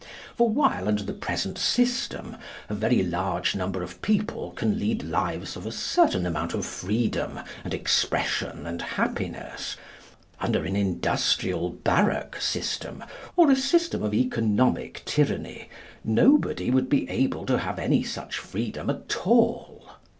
For while under the present system a very large number of people can lead lives of a certain amount of freedom and expression and happiness, under an industrial barrack system, or a system of economic tyranny, nobody would be able to have any such freedom at all.